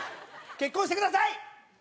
結婚してください！